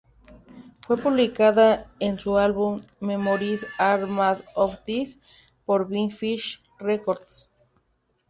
Fue publicada en su álbum "Memories are Made of This", por Big Fish Records.